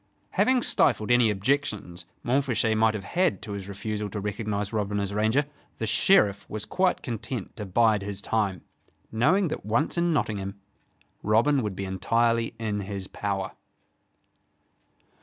Having stifled any objections Montfichet might have had to his refusal to recognize Robin as Ranger, the Sheriff was quite content to bide his time, knowing that once in Nottingham, Robin would be entirely in his power.